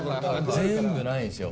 全部ないんですよ